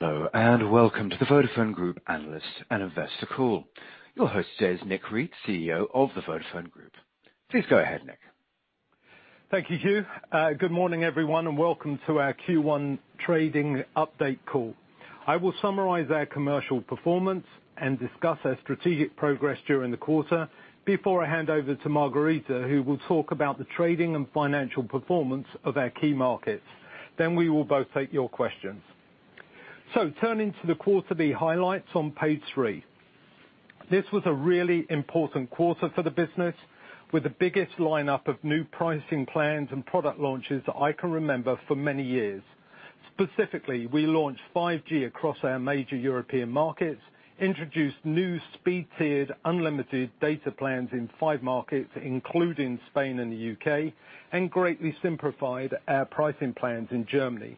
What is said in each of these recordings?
Hello, Welcome to the Vodafone Group analyst and investor call. Your host today is Nick Read, CEO of the Vodafone Group. Please go ahead, Nick. Thank you, Hugh. Good morning, everyone, Welcome to our Q1 trading update call. I will summarize our commercial performance and discuss our strategic progress during the quarter before I hand over to Margherita, who will talk about the trading and financial performance of our key markets. We will both take your questions. Turning to the quarterly highlights on page three. This was a really important quarter for the business, with the biggest lineup of new pricing plans and product launches that I can remember for many years. Specifically, we launched 5G across our major European markets, introduced new speed-tiered unlimited data plans in five markets, including Spain and the U.K., and greatly simplified our pricing plans in Germany.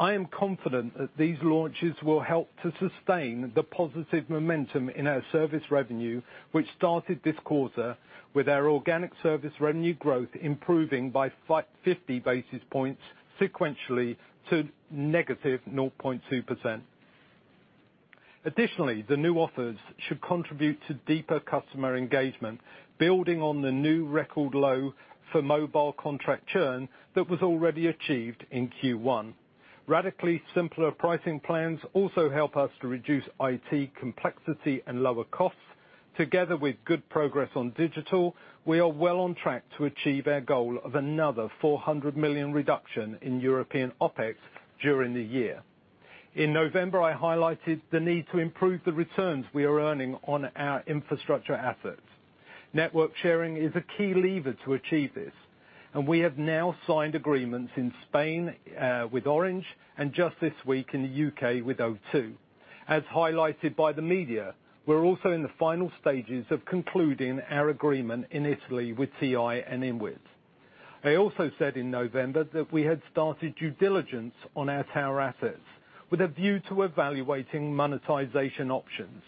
I am confident that these launches will help to sustain the positive momentum in our service revenue, which started this quarter with our organic service revenue growth improving by 50 basis points sequentially to -0.2%. Additionally, the new offers should contribute to deeper customer engagement, building on the new record low for mobile contract churn that was already achieved in Q1. Radically simpler pricing plans also help us to reduce IT complexity and lower costs. Together with good progress on digital, we are well on track to achieve our goal of another 400 million reduction in European OpEx during the year. In November, I highlighted the need to improve the returns we are earning on our infrastructure assets. Network sharing is a key lever to achieve this, and we have now signed agreements in Spain with Orange and just this week in the U.K. with O2. As highlighted by the media, we're also in the final stages of concluding our agreement in Italy with TIM and INWIT. I also said in November that we had started due diligence on our tower assets with a view to evaluating monetization options.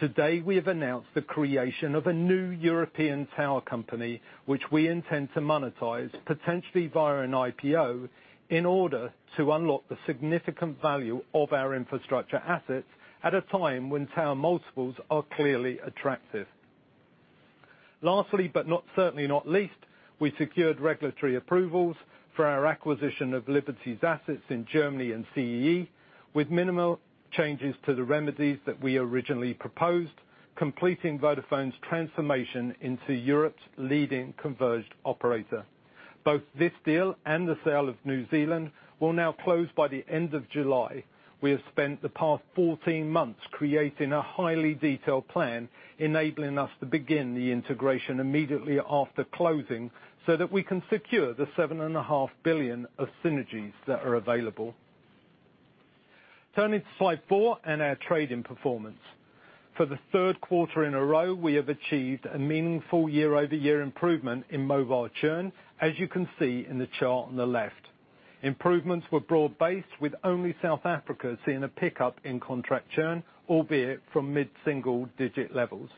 Today, we have announced the creation of a new European tower company, which we intend to monetize, potentially via an IPO, in order to unlock the significant value of our infrastructure assets at a time when tower multiples are clearly attractive. Lastly, but certainly not least, we secured regulatory approvals for our acquisition of Liberty's assets in Germany and CEE with minimal changes to the remedies that we originally proposed, completing Vodafone's transformation into Europe's leading converged operator. Both this deal and the sale of New Zealand will now close by the end of July. We have spent the past 14 months creating a highly detailed plan, enabling us to begin the integration immediately after closing, so that we can secure the 7.5 billion of synergies that are available. Turning to slide four and our trading performance. For the third quarter in a row, we have achieved a meaningful year-over-year improvement in mobile churn, as you can see in the chart on the left. Improvements were broad-based, with only South Africa seeing a pickup in contract churn, albeit from mid-single digit levels.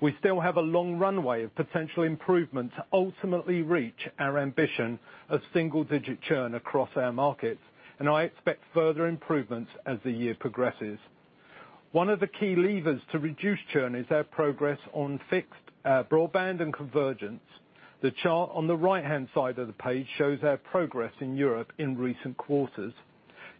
We still have a long runway of potential improvement to ultimately reach our ambition of single-digit churn across our markets. I expect further improvements as the year progresses. One of the key levers to reduce churn is our progress on fixed broadband and convergence. The chart on the right-hand side of the page shows our progress in Europe in recent quarters.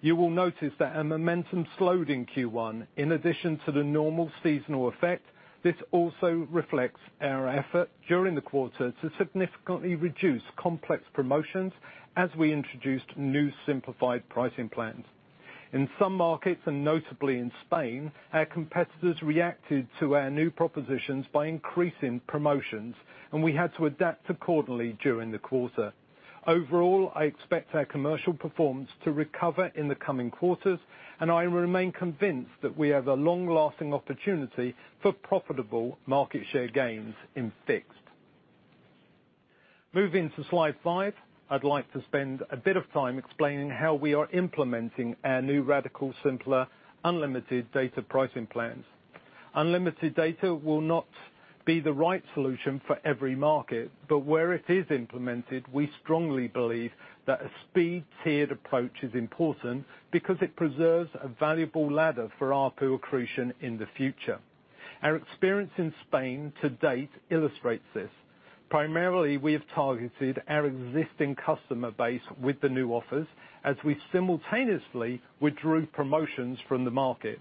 You will notice that our momentum slowed in Q1. In addition to the normal seasonal effect, this also reflects our effort during the quarter to significantly reduce complex promotions as we introduced new simplified pricing plans. In some markets, and notably in Spain, our competitors reacted to our new propositions by increasing promotions, and we had to adapt accordingly during the quarter. I expect our commercial performance to recover in the coming quarters, and I remain convinced that we have a long-lasting opportunity for profitable market share gains in fixed. Moving to slide five. I'd like to spend a bit of time explaining how we are implementing our new radical, simpler, unlimited data pricing plans. Unlimited data will not be the right solution for every market, but where it is implemented, we strongly believe that a speed-tiered approach is important because it preserves a valuable ladder for ARPU accretion in the future. Our experience in Spain to date illustrates this. Primarily, we have targeted our existing customer base with the new offers as we simultaneously withdrew promotions from the market.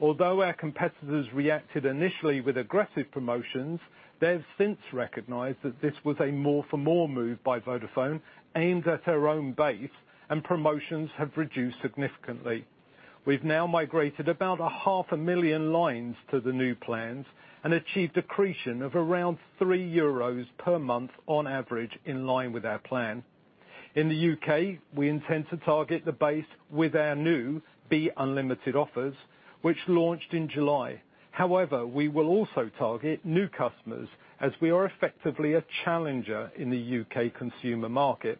Although our competitors reacted initially with aggressive promotions, they've since recognized that this was a more for more move by Vodafone aimed at our own base, and promotions have reduced significantly. We've now migrated about a half a million lines to the new plans and achieved accretion of around 3 euros per month on average, in line with our plan. In the U.K., we intend to target the base with our new Be Unlimited offers, which launched in July. We will also target new customers as we are effectively a challenger in the U.K. consumer market.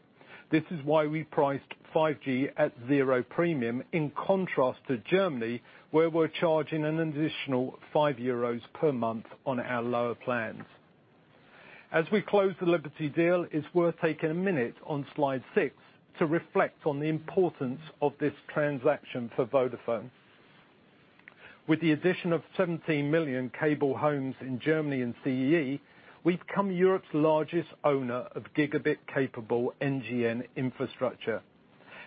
This is why we priced 5G at zero premium, in contrast to Germany, where we're charging an additional 5 euros per month on our lower plans. As we close the Liberty deal, it's worth taking a minute on slide six to reflect on the importance of this transaction for Vodafone. With the addition of 17 million cable homes in Germany and CEE, we've become Europe's largest owner of gigabit-capable NGN infrastructure.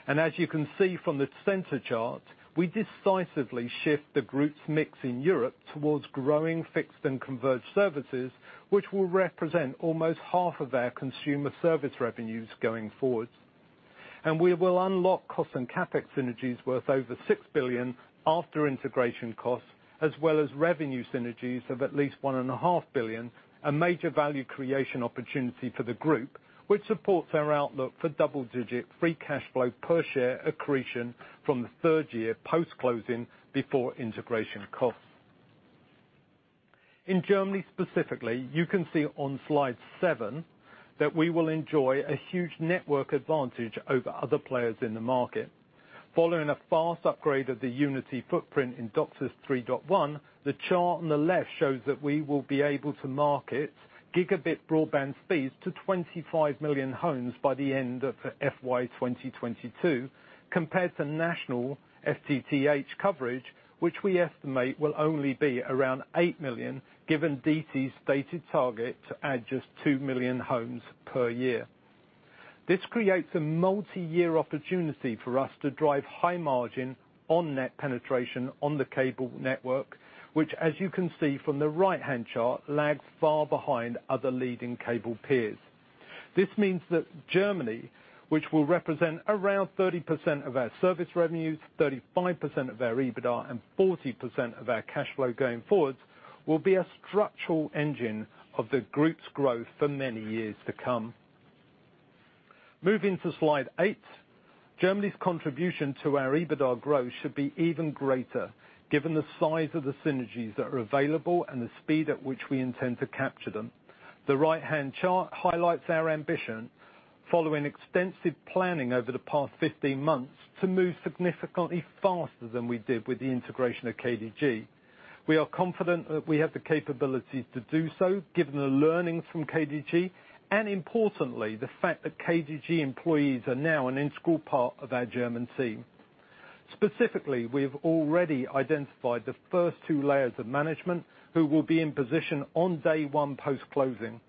As you can see from the center chart, we decisively shift the group's mix in Europe towards growing fixed and converged services, which will represent almost half of our consumer service revenues going forward. We will unlock cost and CapEx synergies worth over 6 billion after integration costs, as well as revenue synergies of at least 1.5 billion, a major value creation opportunity for the group, which supports our outlook for double-digit free cash flow per share accretion from the third year post-closing before integration costs. In Germany specifically, you can see on slide seven that we will enjoy a huge network advantage over other players in the market. Following a fast upgrade of the Unity footprint in DOCSIS 3.1, the chart on the left shows that we will be able to market gigabit broadband speeds to 25 million homes by the end of FY 2022, compared to national FTTH coverage, which we estimate will only be around 8 million, given DT's stated target to add just 2 million homes per year. This creates a multi-year opportunity for us to drive high margin on net penetration on the cable network, which, as you can see from the right-hand chart, lags far behind other leading cable peers. This means that Germany, which will represent around 30% of our service revenues, 35% of our EBITDA, and 40% of our cash flow going forward, will be a structural engine of the group's growth for many years to come. Moving to slide eight, Germany's contribution to our EBITDA growth should be even greater given the size of the synergies that are available and the speed at which we intend to capture them. The right-hand chart highlights our ambition, following extensive planning over the past 15 months, to move significantly faster than we did with the integration of KDG. We are confident that we have the capabilities to do so given the learnings from KDG, and importantly, the fact that KDG employees are now an integral part of our German team. Specifically, we've already identified the first two layers of management who will be in position on day one post-closing.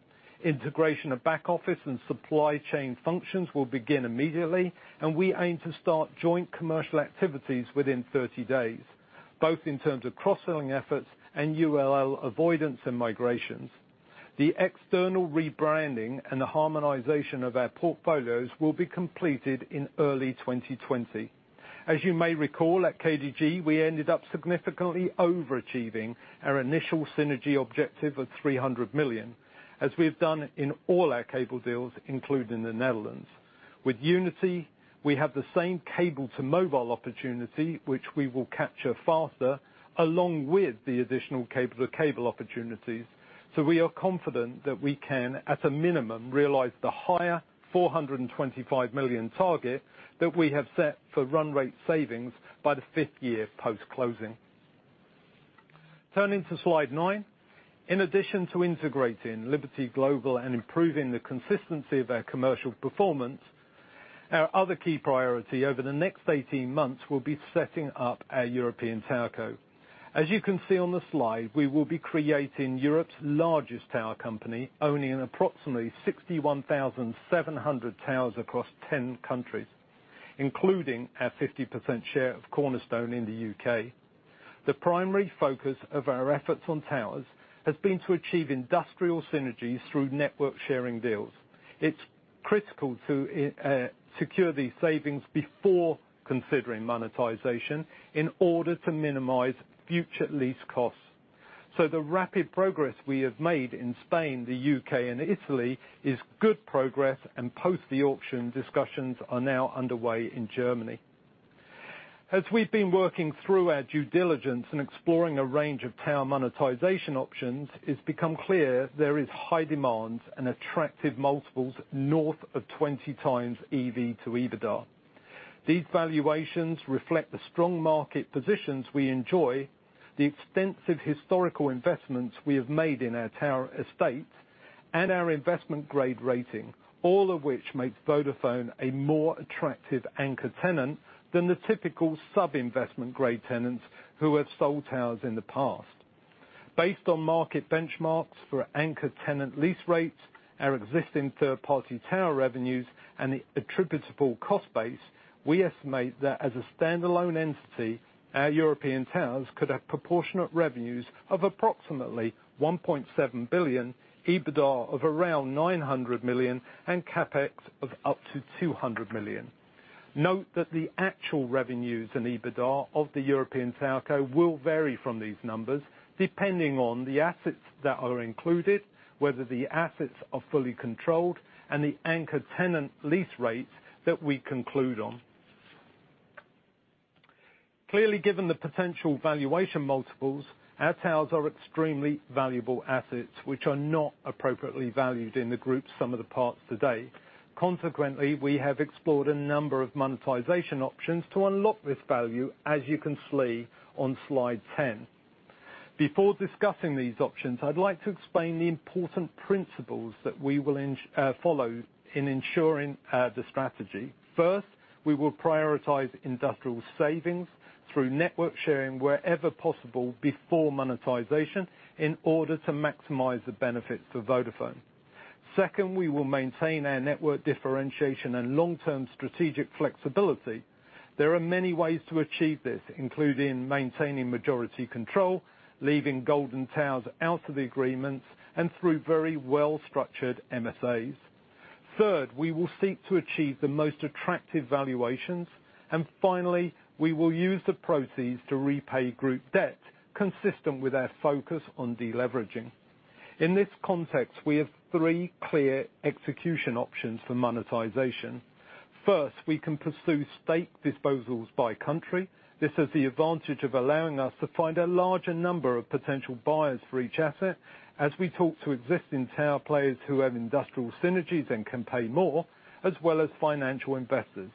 Integration of back-office and supply chain functions will begin immediately, and we aim to start joint commercial activities within 30 days, both in terms of cross-selling efforts and ULL avoidance and migrations. The external rebranding and the harmonization of our portfolios will be completed in early 2020. As you may recall, at KDG, we ended up significantly overachieving our initial synergy objective of 300 million, as we've done in all our cable deals, including the Netherlands. With Unity, we have the same cable-to-mobile opportunity, which we will capture faster, along with the additional cable-to-cable opportunities. We are confident that we can, at a minimum, realize the higher 425 million target that we have set for run rate savings by the fifth year post-closing. Turning to slide nine. In addition to integrating Liberty Global and improving the consistency of our commercial performance, our other key priority over the next 18 months will be setting up our European TowerCo. As you can see on the slide, we will be creating Europe's largest tower company, owning approximately 61,700 towers across 10 countries, including our 50% share of Cornerstone in the U.K. The primary focus of our efforts on towers has been to achieve industrial synergies through network sharing deals. It's critical to secure these savings before considering monetization in order to minimize future lease costs. The rapid progress we have made in Spain, the U.K., and Italy is good progress, and post the auction, discussions are now underway in Germany. As we've been working through our due diligence and exploring a range of tower monetization options, it's become clear there is high demand and attractive multiples north of 20x EV to EBITDA. These valuations reflect the strong market positions we enjoy, the extensive historical investments we have made in our tower estates, and our investment-grade rating, all of which makes Vodafone a more attractive anchor tenant than the typical sub-investment grade tenants who have sold towers in the past. Based on market benchmarks for anchor tenant lease rates, our existing third-party tower revenues, and the attributable cost base, we estimate that as a standalone entity, our European towers could have proportionate revenues of approximately 1.7 billion, EBITDA of around 900 million, and CapEx of up to 200 million. Note that the actual revenues and EBITDA of the European TowerCo will vary from these numbers depending on the assets that are included, whether the assets are fully controlled, and the anchor tenant lease rates that we conclude on. Clearly, given the potential valuation multiples, our towers are extremely valuable assets, which are not appropriately valued in the group sum of the parts today. Consequently, we have explored a number of monetization options to unlock this value, as you can see on slide 10. Before discussing these options, I'd like to explain the important principles that we will follow in ensuring the strategy. 1st, we will prioritize industrial savings through network sharing wherever possible before monetization, in order to maximize the benefits for Vodafone. 2nd, we will maintain our network differentiation and long-term strategic flexibility. There are many ways to achieve this, including maintaining majority control, leaving golden towers out of the agreements, and through very well-structured MSAs. 3rd, we will seek to achieve the most attractive valuations. Finally, we will use the proceeds to repay group debt, consistent with our focus on deleveraging. In this context, we have three clear execution options for monetization. 1st, we can pursue stake disposals by country. This has the advantage of allowing us to find a larger number of potential buyers for each asset, as we talk to existing tower players who have industrial synergies and can pay more, as well as financial investors.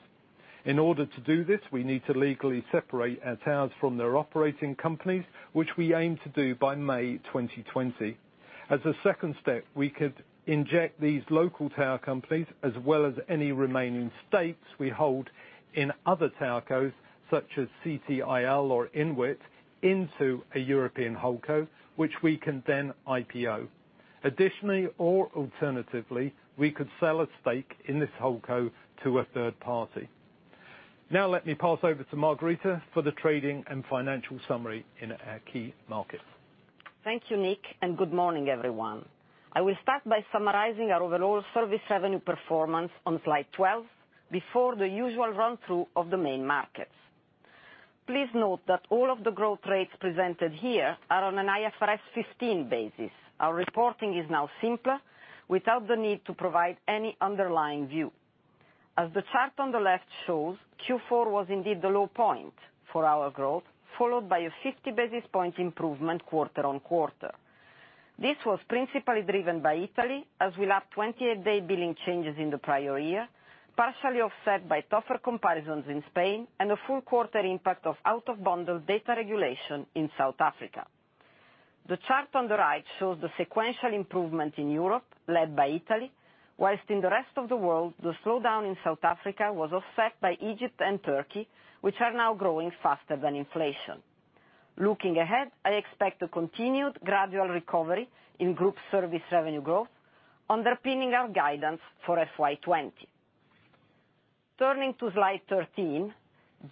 In order to do this, we need to legally separate our towers from their operating companies, which we aim to do by May 2020. As a 2nd step, we could inject these local tower companies, as well as any remaining stakes we hold in other TowerCos, such as CTIL or INWIT, into a European holdco, which we can then IPO. Additionally or alternatively, we could sell a stake in this holdco to a third party. Let me pass over to Margherita for the trading and financial summary in our key markets. Thank you, Nick. Good morning, everyone. I will start by summarizing our overall service revenue performance on slide 12 before the usual run-through of the main markets. Please note that all of the growth rates presented here are on an IFRS 15 basis. Our reporting is now simpler, without the need to provide any underlying view. As the chart on the left shows, Q4 was indeed the low point for our growth, followed by a 50 basis point improvement quarter-on-quarter. This was principally driven by Italy, as we lap 28-day billing changes in the prior year, partially offset by tougher comparisons in Spain and a full quarter impact of out-of-bundle data regulation in South Africa. The chart on the right shows the sequential improvement in Europe, led by Italy, whilst in the rest of the world, the slowdown in South Africa was offset by Egypt and Turkey, which are now growing faster than inflation. Looking ahead, I expect a continued gradual recovery in group service revenue growth underpinning our guidance for FY 2020. Turning to slide 13,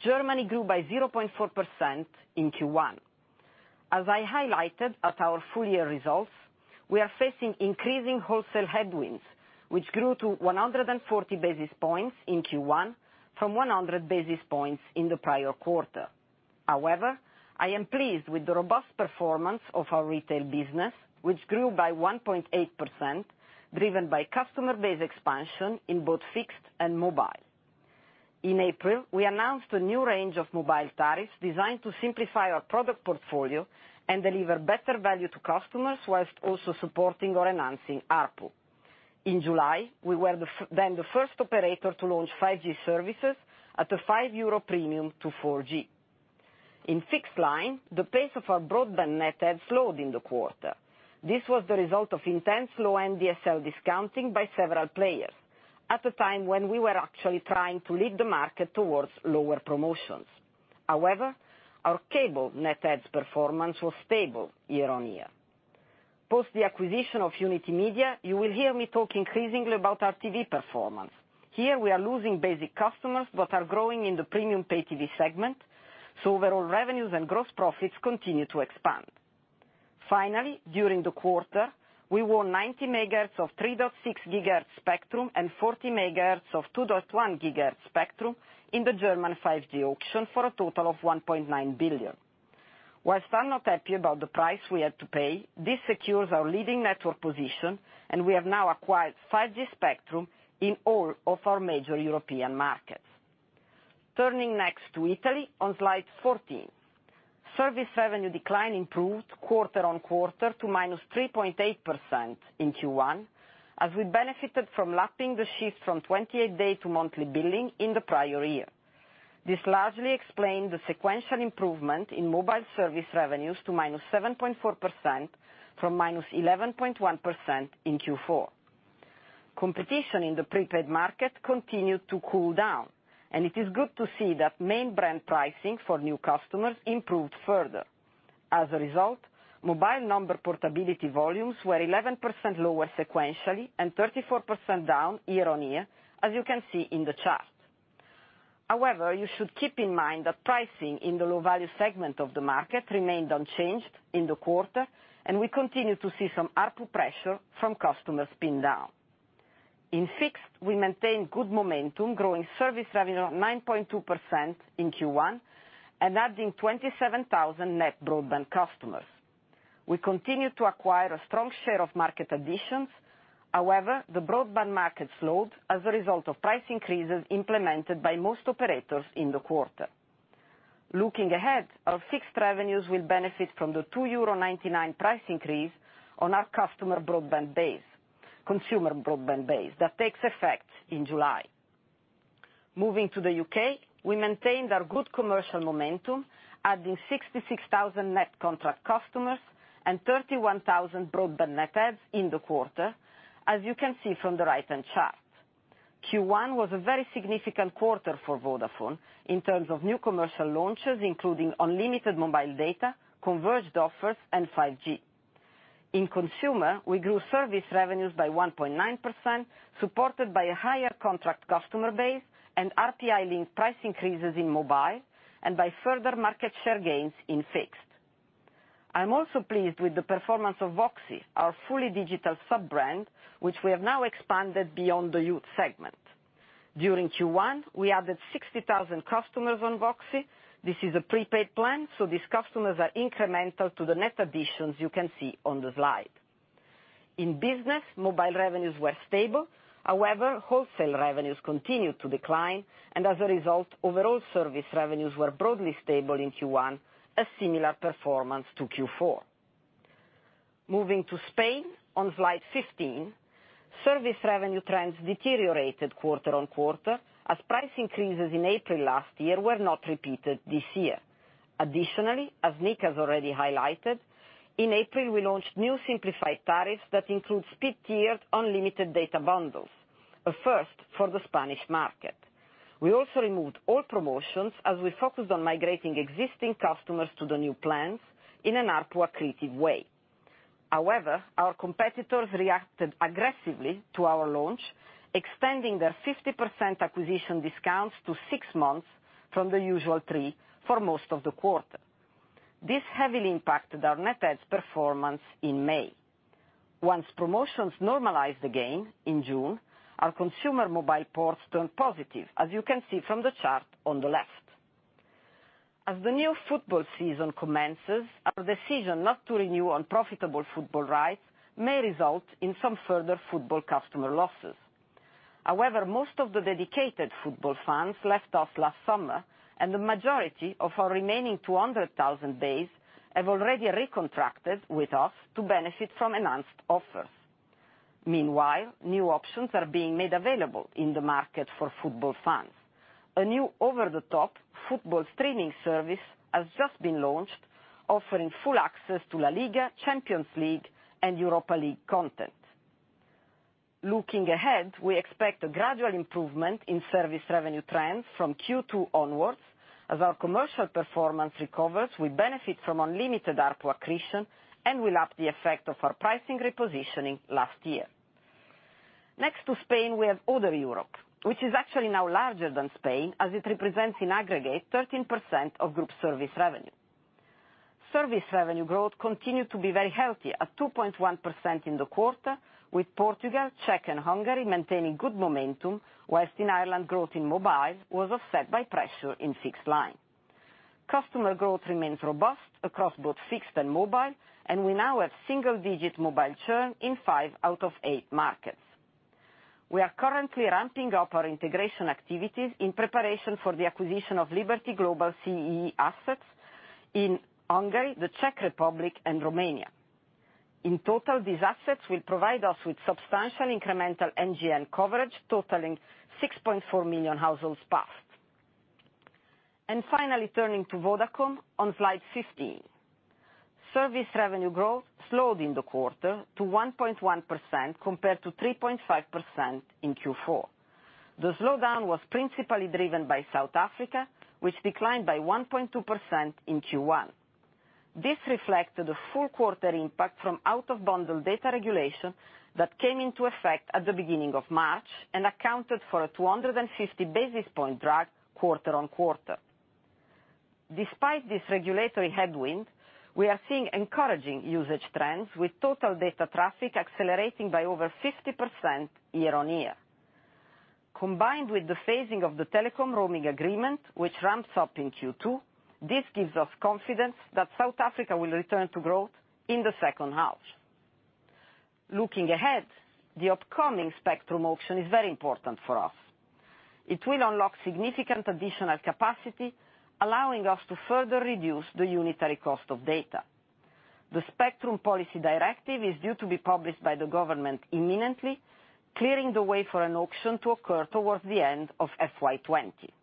Germany grew by 0.4% in Q1. As I highlighted at our full-year results, we are facing increasing wholesale headwinds, which grew to 140 basis points in Q1 from 100 basis points in the prior quarter. I am pleased with the robust performance of our retail business, which grew by 1.8%, driven by customer base expansion in both fixed and mobile. In April, we announced a new range of mobile tariffs designed to simplify our product portfolio and deliver better value to customers whilst also supporting or enhancing ARPU. In July, we were the first operator to launch 5G services at a 5 euro premium to 4G. In fixed line, the pace of our broadband net add slowed in the quarter. This was the result of intense low-end DSL discounting by several players at a time when we were actually trying to lead the market towards lower promotions. However, our cable net adds performance was stable year-on-year. Post the acquisition of Unitymedia, you will hear me talk increasingly about our TV performance. Here, we are losing basic customers but are growing in the premium pay TV segment, overall revenues and gross profits continue to expand. Finally, during the quarter, we won 90 MHz of 3.6 GHz spectrum and 40 MHz of 2.1 GHz spectrum in the German 5G auction for a total of 1.9 billion. Whilst I'm not happy about the price we had to pay, this secures our leading network position, and we have now acquired 5G spectrum in all of our major European markets. Turning next to Italy on slide 14. Service revenue decline improved quarter on quarter to -3.8% in Q1, as we benefited from lapping the shift from 28-day to monthly billing in the prior year. This largely explained the sequential improvement in mobile service revenues to -7.4% from -11.1% in Q4. Competition in the prepaid market continued to cool down, and it is good to see that main brand pricing for new customers improved further. As a result, mobile number portability volumes were 11% lower sequentially and 34% down year-on-year, as you can see in the chart. However, you should keep in mind that pricing in the low-value segment of the market remained unchanged in the quarter, and we continue to see some ARPU pressure from customer spin-down. In fixed, we maintained good momentum, growing service revenue at 9.2% in Q1 and adding 27,000 net broadband customers. We continued to acquire a strong share of market additions. However, the broadband market slowed as a result of price increases implemented by most operators in the quarter. Looking ahead, our fixed revenues will benefit from the 2.99 euro price increase on our consumer broadband base that takes effect in July. Moving to the U.K., we maintained our good commercial momentum, adding 66,000 net contract customers and 31,000 broadband net adds in the quarter, as you can see from the right-hand chart. Q1 was a very significant quarter for Vodafone in terms of new commercial launches, including unlimited mobile data, converged offers, and 5G. In consumer, we grew service revenues by 1.9%, supported by a higher contract customer base and RPI-linked price increases in mobile and by further market share gains in fixed. I'm also pleased with the performance of VOXI, our fully digital sub-brand, which we have now expanded beyond the youth segment. During Q1, we added 60,000 customers on VOXI. This is a prepaid plan, so these customers are incremental to the net additions you can see on the slide. In business, mobile revenues were stable. However, wholesale revenues continued to decline, and as a result, overall service revenues were broadly stable in Q1, a similar performance to Q4. Moving to Spain, on slide 15, service revenue trends deteriorated quarter-on-quarter as price increases in April last year were not repeated this year. Additionally, as Nick has already highlighted, in April, we launched new simplified tariffs that include speed-tiered unlimited data bundles, a first for the Spanish market. We also removed all promotions, as we focused on migrating existing customers to the new plans in an ARPU-accretive way. Our competitors reacted aggressively to our launch, extending their 50% acquisition discounts to six months from the usual three for most of the quarter. This heavily impacted our net adds performance in May. Once promotions normalized again in June, our consumer mobile ports turned positive, as you can see from the chart on the left. As the new football season commences, our decision not to renew unprofitable football rights may result in some further football customer losses. However, most of the dedicated football fans left us last summer, and the majority of our remaining 200,000 base have already recontracted with us to benefit from enhanced offers. Meanwhile, new options are being made available in the market for football fans. A new over-the-top football streaming service has just been launched, offering full access to La Liga, Champions League, and Europa League content. Looking ahead, we expect a gradual improvement in service revenue trends from Q2 onwards. As our commercial performance recovers, we benefit from unlimited ARPU accretion and will up the effect of our pricing repositioning last year. Next to Spain, we have Other Europe, which is actually now larger than Spain, as it represents, in aggregate, 13% of group service revenue. Service revenue growth continued to be very healthy at 2.1% in the quarter, with Portugal, Czech, and Hungary maintaining good momentum, whilst in Ireland, growth in mobile was offset by pressure in fixed line. We now have single-digit mobile churn in five out of eight markets. We are currently ramping up our integration activities in preparation for the acquisition of Liberty Global CEE assets in Hungary, the Czech Republic, and Romania. In total, these assets will provide us with substantial incremental NGN coverage totaling 6.4 million households passed. Finally, turning to Vodacom on slide 15. Service revenue growth slowed in the quarter to 1.1% compared to 3.5% in Q4. The slowdown was principally driven by South Africa, which declined by 1.2% in Q1. This reflected the full quarter impact from out-of-bundle data regulation that came into effect at the beginning of March and accounted for a 250-basis point drag quarter on quarter. Despite this regulatory headwind, we are seeing encouraging usage trends, with total data traffic accelerating by over 50% year-on-year. Combined with the phasing of the telecom roaming agreement, which ramps up in Q2, this gives us confidence that South Africa will return to growth in the second half. Looking ahead, the upcoming spectrum auction is very important for us. It will unlock significant additional capacity, allowing us to further reduce the unitary cost of data. The spectrum policy directive is due to be published by the government imminently, clearing the way for an auction to occur towards the end of FY 2020.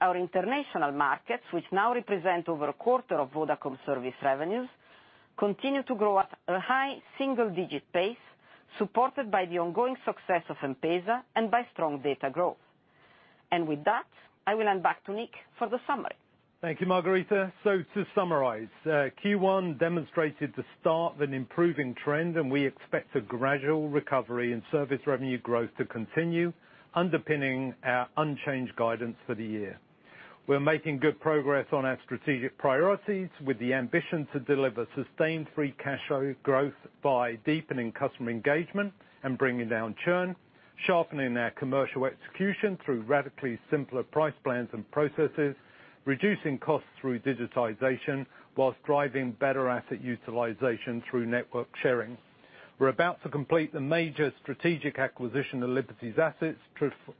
Our international markets, which now represent over a quarter of Vodacom service revenues, continue to grow at a high single-digit pace, supported by the ongoing success of M-PESA and by strong data growth. With that, I will hand back to Nick for the summary. Thank you, Margherita. To summarize, Q1 demonstrated the start of an improving trend, and we expect a gradual recovery in service revenue growth to continue underpinning our unchanged guidance for the year. We're making good progress on our strategic priorities with the ambition to deliver sustained free cash flow growth by deepening customer engagement and bringing down churn, sharpening our commercial execution through radically simpler price plans and processes, reducing costs through digitization whilst driving better asset utilization through network sharing. We're about to complete the major strategic acquisition of Liberty's assets,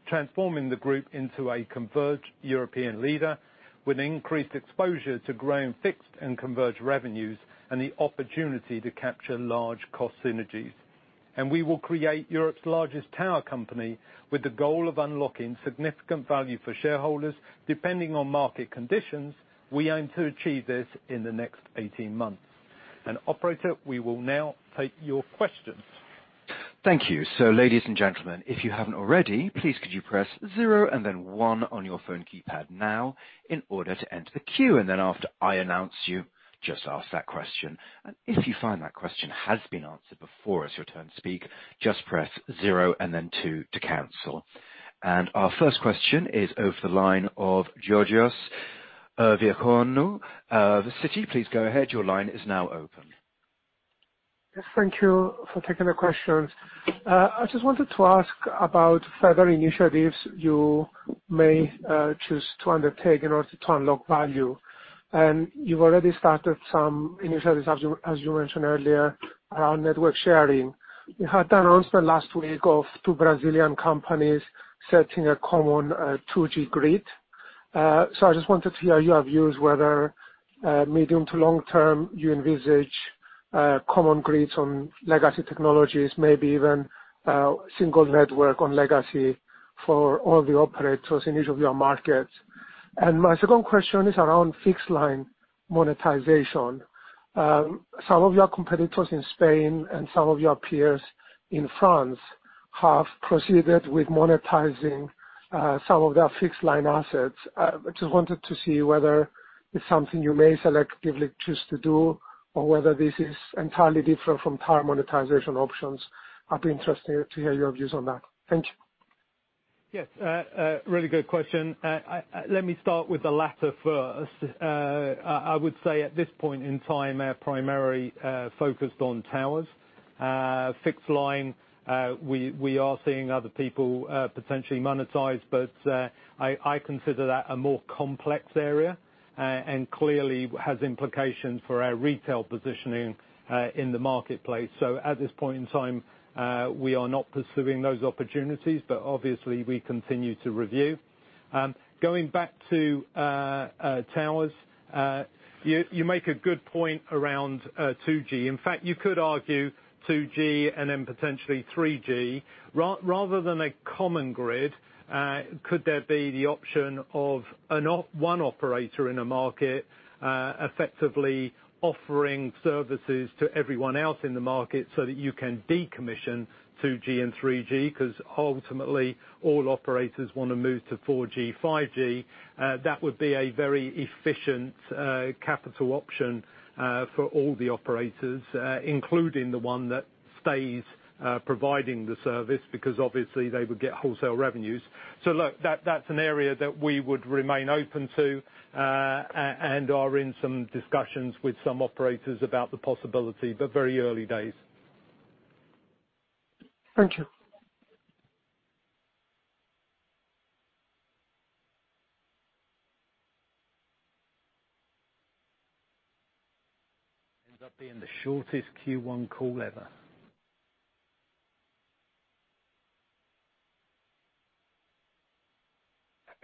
transforming the group into a converged European leader with increased exposure to growing fixed and converged revenues and the opportunity to capture large cost synergies. We will create Europe's largest tower company with the goal of unlocking significant value for shareholders. Depending on market conditions, we aim to achieve this in the next 18 months. Operator, we will now take your questions. Thank you. Our 1st question is over the line of Georgios Lerodiaconou of Citi. Please go ahead. Your line is open. Yes, thank you for taking the questions. I just wanted to ask about further initiatives you may choose to undertake in order to unlock value. You've already started some initiatives, as you mentioned earlier, around network sharing. You had the announcement last week of two Brazilian companies setting a common 2G. I just wanted to hear your views whether medium to long-term, you envisage common grids on legacy technologies, maybe even a single network on legacy for all the operators in each of your markets. My 2nd question is around fixed-line monetization. Some of your competitors in Spain and some of your peers in France have proceeded with monetizing some of their fixed-line assets. I just wanted to see whether it's something you may selectively choose to do or whether this is entirely different from tower monetization options. I'd be interested to hear your views on that. Thank you. Yes. Really good question. Let me start with the latter 1st. I would say at this point in time, primarily focused on towers. Fixed line, we are seeing other people potentially monetize, but I consider that a more complex area, and clearly has implications for our retail positioning in the marketplace. At this point in time, we are not pursuing those opportunities, but obviously we continue to review. Going back to towers, you make a good point around 2G. In fact, you could argue 2G and then potentially 3G, rather than a common grid, could there be the option of one operator in a market effectively offering services to everyone else in the market so that you can decommission 2G and 3G. Ultimately all operators want to move to 4G, 5G. That would be a very efficient capital option for all the operators, including the one that stays providing the service, because obviously they would get wholesale revenues. Look, that's an area that we would remain open to, and are in some discussions with some operators about the possibility, but very early days. Thank you. Ends up being the shortest Q1 call ever.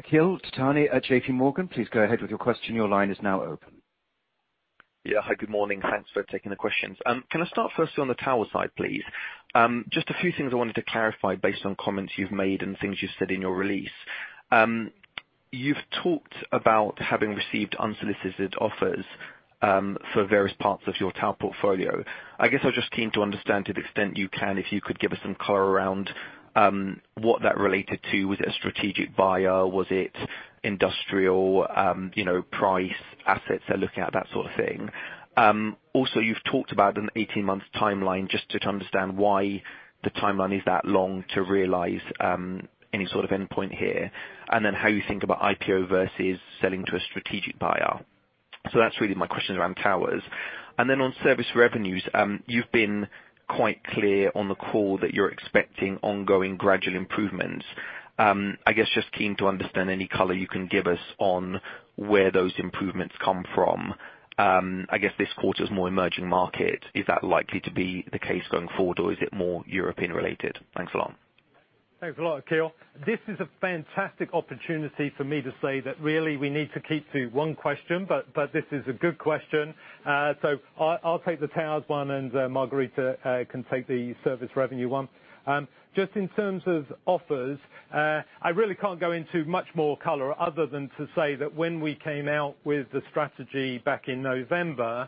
Akhil Dattani at JPMorgan, please go ahead with your question. Your line is now open. Yeah. Hi, good morning. Thanks for taking the questions. Can I start firstly on the tower side, please? Just a few things I wanted to clarify based on comments you've made and things you've said in your release. You've talked about having received unsolicited offers for various parts of your tower portfolio. I guess I was just keen to understand to the extent you can, if you could give us some color around what that related to. Was it a strategic buyer? Was it industrial players they're looking at? That sort of thing. You've talked about an 18-month timeline, just to understand why the timeline is that long to realize any sort of endpoint here, and then how you think about IPO versus selling to a strategic buyer. That's really my question around towers. On service revenues, you've been quite clear on the call that you're expecting ongoing gradual improvements. I guess just keen to understand any color you can give us on where those improvements come from. I guess this quarter's more emerging market. Is that likely to be the case going forward, or is it more European related? Thanks a lot. Thanks a lot, Akhil. This is a fantastic opportunity for me to say that really we need to keep to one question, but this is a good question. I'll take the towers one and Margherita can take the service revenue one. Just in terms of offers, I really can't go into much more color other than to say that when we came out with the strategy back in November,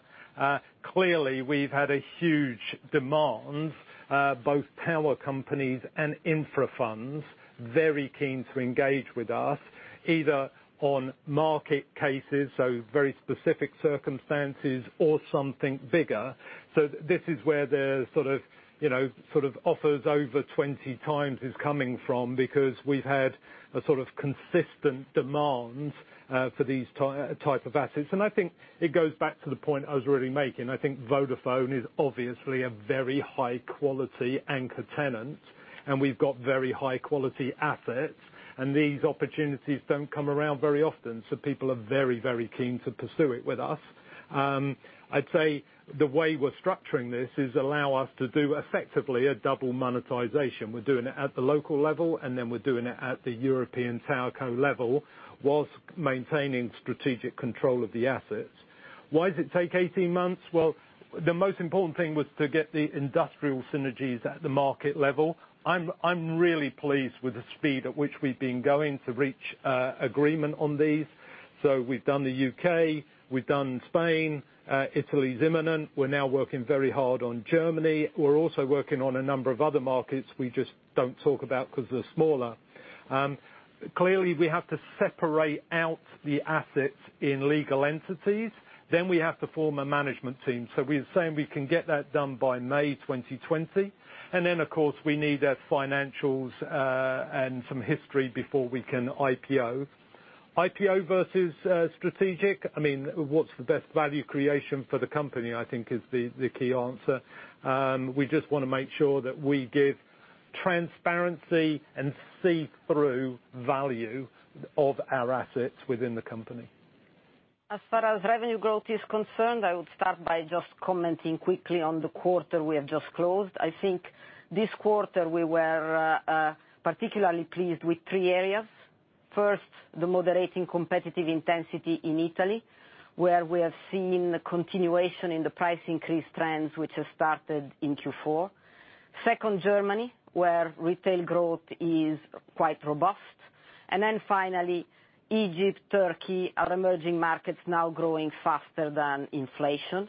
clearly we've had a huge demand, both tower companies and infra funds, very keen to engage with us, either on market cases, very specific circumstances or something bigger. This is where the sort of offers over 20x is coming from, because we've had a sort of consistent demand for these type of assets. I think it goes back to the point I was really making. I think Vodafone is obviously a very high-quality anchor tenant, and we've got very high-quality assets, and these opportunities don't come around very often, so people are very, very keen to pursue it with us. I'd say the way we're structuring this is allow us to do effectively a double monetization. We're doing it at the local level, and then we're doing it at the European TowerCo level whilst maintaining strategic control of the assets. Why does it take 18 months? The most important thing was to get the industrial synergies at the market level. I'm really pleased with the speed at which we've been going to reach agreement on these. We've done the U.K., we've done Spain, Italy is imminent. We're now working very hard on Germany. We're also working on a number of other markets, we just don't talk about because they're smaller. Clearly, we have to separate out the assets in legal entities, then we have to form a management team. We're saying we can get that done by May 2020. Of course, we need their financials, and some history before we can IPO. IPO versus strategic, what's the best value creation for the company, I think is the key answer. We just want to make sure that we give transparency and see through value of our assets within the company. As far as revenue growth is concerned, I would start by just commenting quickly on the quarter we have just closed. I think this quarter we were particularly pleased with three areas. 1st, the moderating competitive intensity in Italy, where we have seen a continuation in the price increase trends which have started in Q4. 2nd, Germany, where retail growth is quite robust. Finally, Egypt, Turkey, our emerging markets now growing faster than inflation.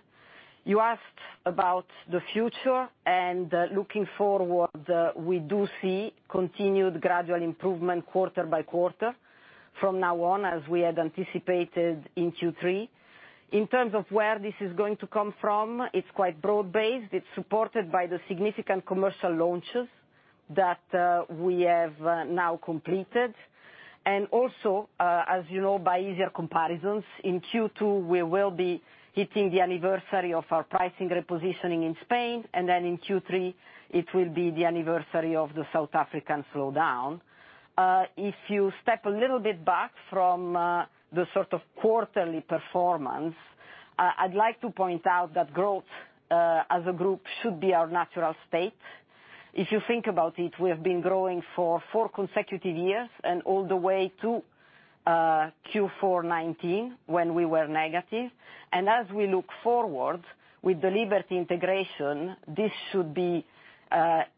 You asked about the future and looking forward, we do see continued gradual improvement quarter by quarter from now on, as we had anticipated in Q3. In terms of where this is going to come from, it's quite broad-based. It's supported by the significant commercial launches that we have now completed. Also, as you know, by easier comparisons, in Q2, we will be hitting the anniversary of our pricing repositioning in Spain, and in Q3 it will be the anniversary of the South African slowdown. If you step a little bit back from the sort of quarterly performance, I'd like to point out that growth, as a group, should be our natural state. If you think about it, we have been growing for four consecutive years and all the way to Q4 2019, when we were negative. As we look forward with Liberty integration, this should be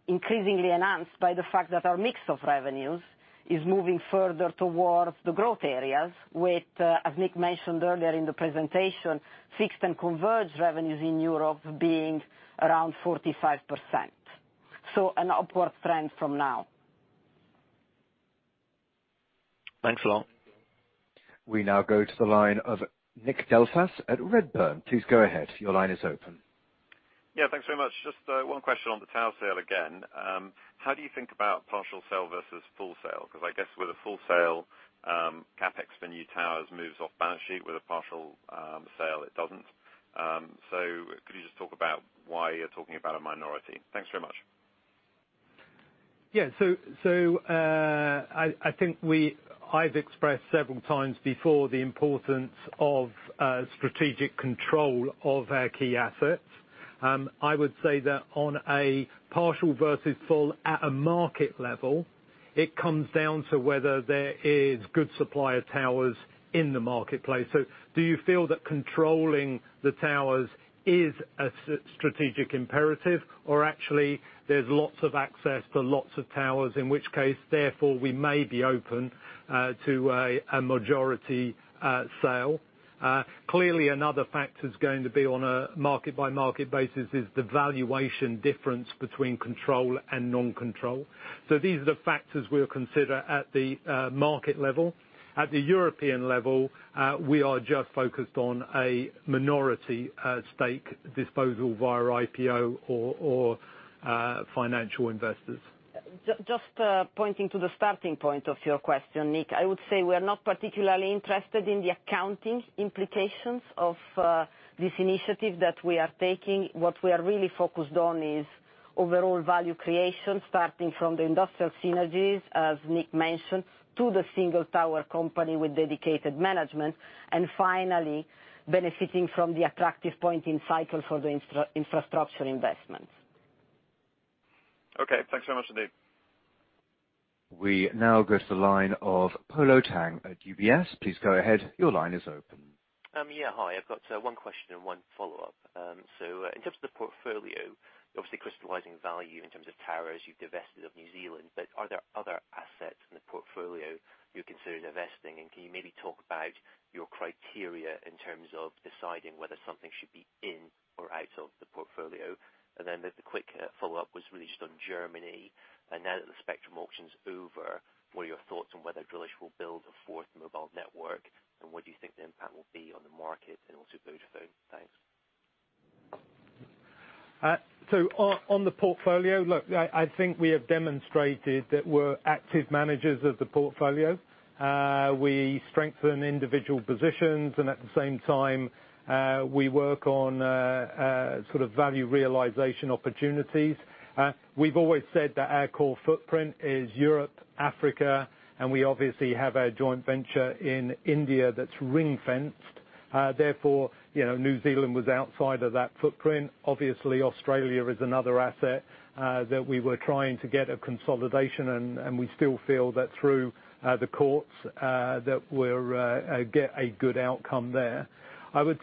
increasingly enhanced by the fact that our mix of revenues is moving further towards the growth areas with, as Nick mentioned earlier in the presentation, fixed and converged revenues in Europe being around 45%. An upward trend from now. Thanks a lot. We now go to the line of Nick Delfas at Redburn. Please go ahead. Your line is open. Yeah, thanks very much. Just one question on the tower sale again. How do you think about partial sale versus full sale? I guess with a full sale, CapEx for new towers moves off balance sheet, with a partial sale, it doesn't. Could you just talk about why you're talking about a minority? Thanks very much. Yeah. I think I've expressed several times before the importance of strategic control of our key assets. I would say that on a partial versus full at a market level, it comes down to whether there is good supply of towers in the marketplace. Do you feel that controlling the towers is a strategic imperative or actually there's lots of access to lots of towers, in which case, therefore, we may be open to a majority sale. Another factor is going to be on a market-by-market basis is the valuation difference between control and non-control. These are the factors we'll consider at the market level. At the European level, we are just focused on a minority stake disposal via IPO or financial investors. Just pointing to the starting point of your question, Nick. I would say we're not particularly interested in the accounting implications of this initiative that we are taking. What we are really focused on is overall value creation, starting from the industrial synergies, as Nick mentioned, to the single tower company with dedicated management, and finally benefiting from the attractive point in cycle for the infrastructure investments. Okay, thanks so much, indeed. We now go to the line of Polo Tang at UBS. Please go ahead. Your line is open. Yeah. Hi. I've got one question and one follow-up. In terms of the portfolio, obviously crystallizing value in terms of towers, you've divested of New Zealand, but are there other assets in the portfolio you're considering divesting? Can you maybe talk about your criteria in terms of deciding whether something should be in or out of the portfolio? The quick follow-up was really just on Germany. Now that the spectrum auction's over, what are your thoughts on whether Drillisch will build a fourth mobile network, and what do you think the impact will be on the market and also Vodafone? Thanks. On the portfolio, look, I think we have demonstrated that we're active managers of the portfolio. We strengthen individual positions and at the same time, we work on value realization opportunities. We've always said that our core footprint is Europe, Africa, and we obviously have our joint venture in India that's ring-fenced. Therefore, New Zealand was outside of that footprint. Obviously, Australia is another asset that we were trying to get a consolidation, and we still feel that through the courts, that we'll get a good outcome there. We'll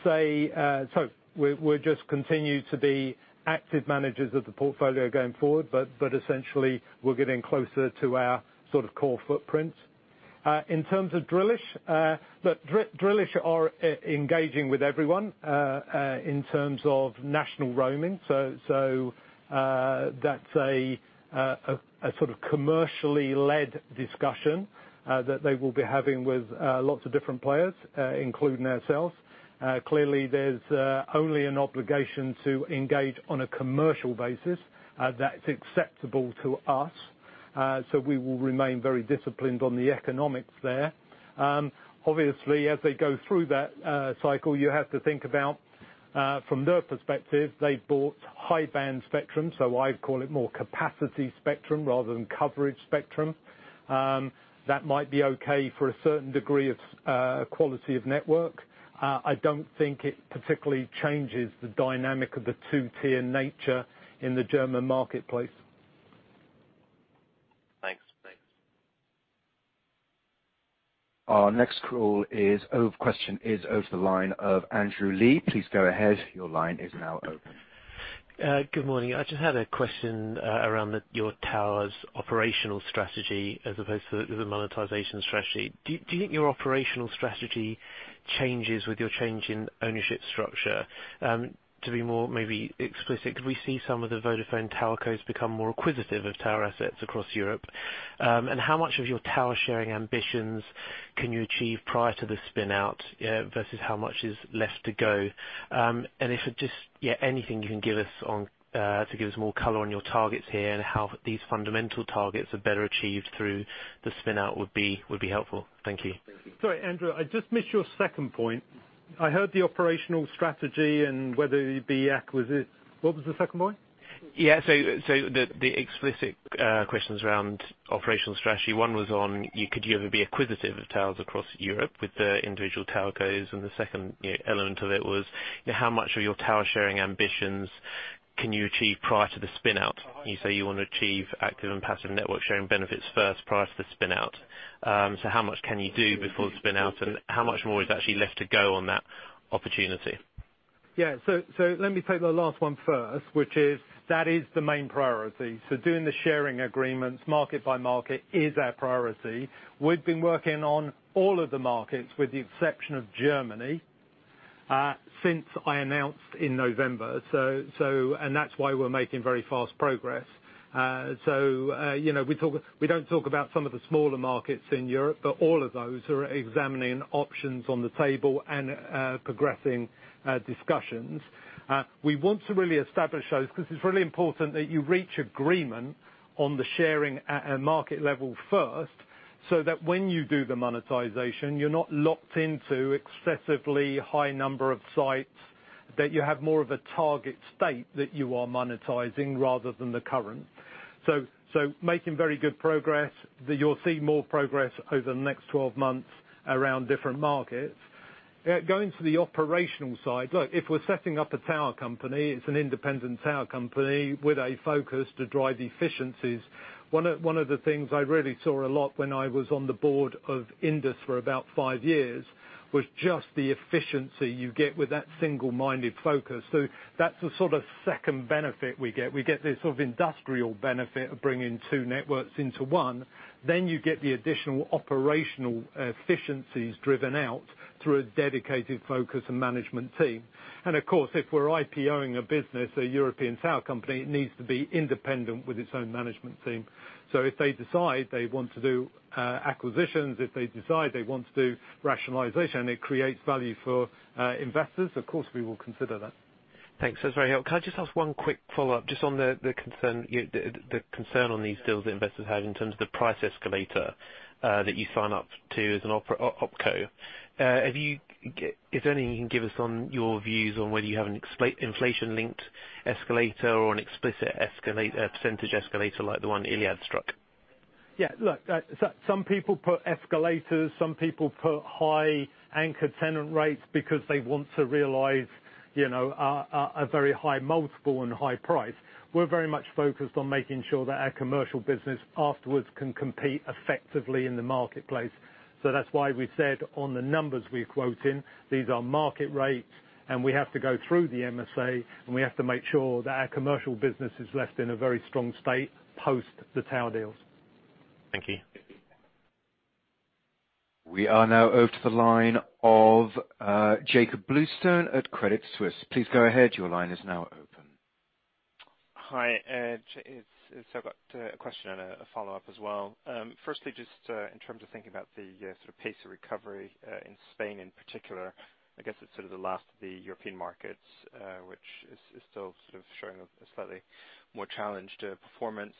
just continue to be active managers of the portfolio going forward, but essentially we're getting closer to our core footprint. In terms of Drillisch are engaging with everyone, in terms of national roaming. That's a sort of commercially led discussion that they will be having with lots of different players, including ourselves. Clearly, there's only an obligation to engage on a commercial basis that's acceptable to us. We will remain very disciplined on the economics there. Obviously, as they go through that cycle, you have to think about, from their perspective, they bought high-band spectrum, so I'd call it more capacity spectrum rather than coverage spectrum. That might be okay for a certain degree of quality of network. I don't think it particularly changes the dynamic of the two-tier nature in the German marketplace. Thanks. Our next question is over the line of Andrew Lee. Please go ahead. Your line is now open. Good morning. I just had a question around your TowerCo's operational strategy as opposed to the monetization strategy. Do you think your operational strategy changes with your change in ownership structure? To be more maybe explicit, we see some of the Vodafone TowerCos become more acquisitive of tower assets across Europe. How much of your tower sharing ambitions can you achieve prior to the spin-out, versus how much is left to go? If just anything you can give us to give us more color on your targets here and how these fundamental targets are better achieved through the spin-out would be helpful? Thank you. Sorry, Andrew, I just missed your 2nd point. I heard the operational strategy and whether it be acquisitive. What was the second one? The explicit questions around operational strategy. One was on could you ever be acquisitive of towers across Europe with the individual telcos? The 2nd element of it was how much of your tower sharing ambitions can you achieve prior to the spin-out? You say you want to achieve active and passive network sharing benefits first, prior to the spin-out. How much can you do before the spin-out, and how much more is actually left to go on that opportunity? Yeah. Let me take the last one first, which is, that is the main priority. Doing the sharing agreements market by market is our priority. We've been working on all of the markets, with the exception of Germany, since I announced in November. That's why we're making very fast progress. We don't talk about some of the smaller markets in Europe, but all of those are examining options on the table and progressing discussions. We want to really establish those because it's really important that you reach agreement on the sharing at a market level first, so that when you do the monetization, you're not locked into excessively high number of sites, that you have more of a target state that you are monetizing rather than the current. Making very good progress. You'll see more progress over the next 12 months around different markets. Going to the operational side, look, if we're setting up a tower company, it's an independent tower company with a focus to drive efficiencies. One of the things I really saw a lot when I was on the board of Indus for about five years, was just the efficiency you get with that single-minded focus. That's the sort of second benefit we get. We get this sort of industrial benefit of bringing two networks into one. You get the additional operational efficiencies driven out through a dedicated focus and management team. Of course, if we're IPO-ing a business, a European tower company, it needs to be independent with its own management team. If they decide they want to do acquisitions, if they decide they want to do rationalization, it creates value for investors. Of course, we will consider that. Thanks. That's very helpful. Can I just ask one quick follow-up just on the concern on these deals that investors have in terms of the price escalator that you sign up to as an opco? Is there anything you can give us on your views on whether you have an inflation-linked escalator or an explicit percentage escalator like the one Iliad struck? Yeah, look, some people put escalators. Some people put high anchored tenant rates because they want to realize a very high multiple and high price. We're very much focused on making sure that our commercial business afterwards can compete effectively in the marketplace. That's why we've said on the numbers we're quoting, these are market rates, and we have to go through the MSA, and we have to make sure that our commercial business is left in a very strong state post the tower deals. Thank you. We are now over to the line of Jakob Bluestone at Credit Suisse. Please go ahead. Your line is now open. Hi, it's Jakob. A question and a follow-up as well. Firstly, just in terms of thinking about the sort of pace of recovery in Spain in particular. I guess it's sort of the last of the European markets, which is still sort of showing a slightly more challenged performance.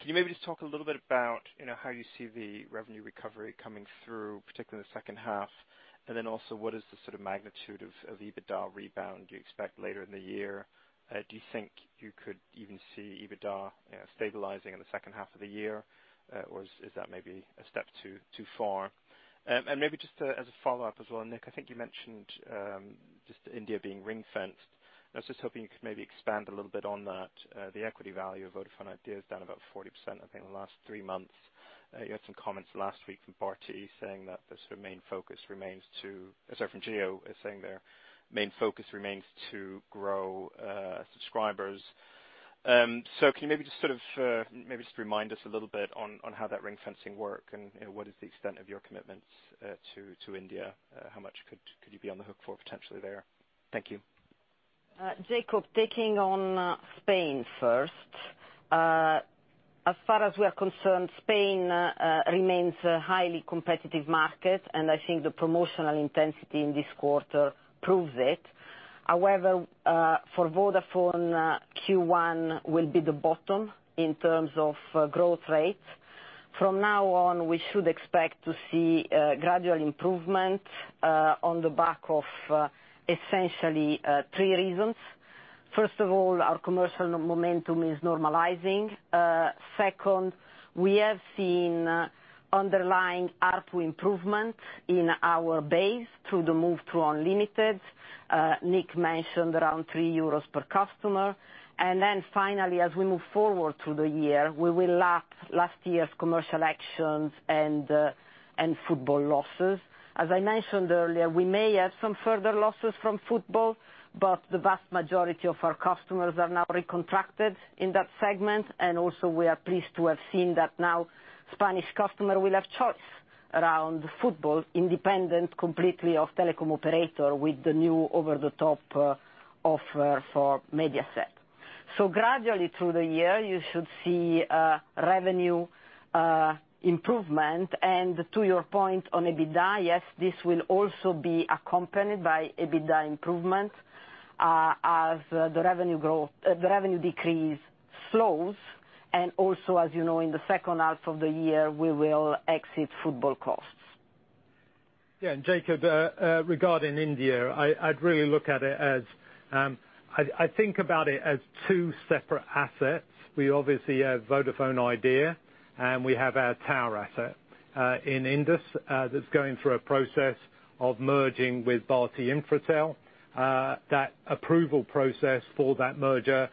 Can you maybe just talk a little bit about how you see the revenue recovery coming through, particularly in the second half? What is the sort of magnitude of EBITDA rebound you expect later in the year? Do you think you could even see EBITDA stabilizing in the second half of the year? Is that maybe a step too far? Maybe just as a follow-up as well, Nick, I think you mentioned just India being ring-fenced. I was just hoping you could maybe expand a little bit on that. The equity value of Vodafone Idea is down about 40%, I think, in the last three months. You had some comments last week from Bharti. Sorry, from Jio, saying their main focus remains to grow subscribers. Can you maybe just remind us a little bit on how that ring fencing work and what is the extent of your commitments to India? How much could you be on the hook for potentially there? Thank you. Jakob, taking on Spain first. As far as we are concerned, Spain remains a highly competitive market, and I think the promotional intensity in this quarter proves it. However, for Vodafone, Q1 will be the bottom in terms of growth rate. From now on, we should expect to see gradual improvement on the back of essentially three reasons. First of all, our commercial momentum is normalizing. Second, we have seen underlying ARPU improvement in our base through the move to unlimited. Nick mentioned around EUR three per customer. Finally, as we move forward through the year, we will lap last year's commercial actions and football losses. As I mentioned earlier, we may have some further losses from football, but the vast majority of our customers are now recontracted in that segment. Also, we are pleased to have seen that now Spanish customer will have choice around football independent completely of telecom operator with the new over-the-top offer for Mediaset. Gradually through the year, you should see a revenue improvement. To your point on EBITDA, yes, this will also be accompanied by EBITDA improvement as the revenue decrease slows, also, as you know, in the second half of the year, we will exit football costs. Yeah, Jakob, regarding India, I think about it as two separate assets. We obviously have Vodafone Idea, and we have our tower asset. In Indus, that's going through a process of merging with Bharti Infratel. That approval process for that merger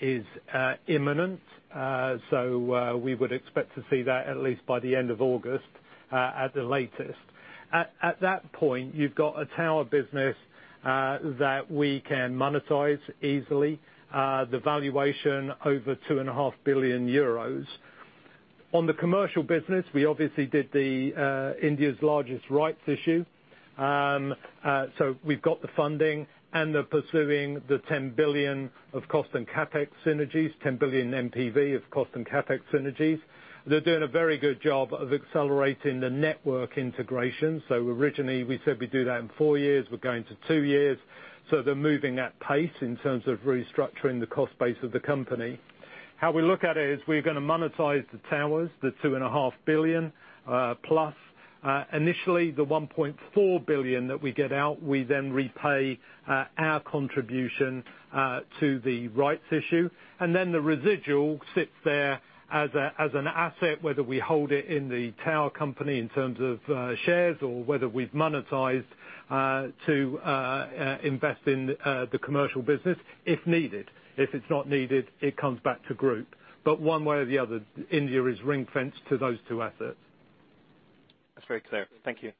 is imminent. We would expect to see that at least by the end of August, at the latest. At that point, you've got a tower business that we can monetize easily. The valuation over 2.5 billion euros. On the commercial business, we obviously did the India's largest rights issue. We've got the funding and they're pursuing the 10 billion of cost and CapEx synergies, 10 billion NPV of cost and CapEx synergies. They're doing a very good job of accelerating the network integration. Originally, we said we'd do that in four years. We're going to two years. They're moving at pace in terms of restructuring the cost base of the company. How we look at it is we're going to monetize the towers, the 2.5 billion, plus initially the 1.4 billion that we get out, we then repay our contribution to the rights issue. The residual sits there as an asset, whether we hold it in the TowerCo in terms of shares or whether we've monetized to invest in the commercial business if needed. If it's not needed, it comes back to Group. One way or the other, India is ring-fenced to those two assets. That's very clear. Thank you.